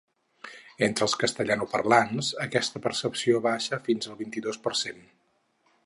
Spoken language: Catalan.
Entre els castellanoparlants, aquesta percepció baixa fins el vint-i-dos per cent.